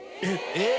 えっ！